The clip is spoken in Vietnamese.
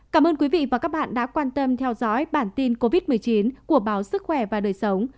cảm ơn quý vị và các bạn đã quan tâm theo dõi bản tin covid một mươi chín của báo sức khỏe và đời sống